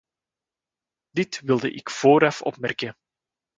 Dit wilde ik vooraf opmerken.